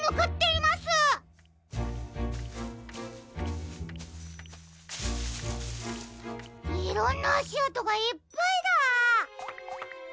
いろんなあしあとがいっぱいだ。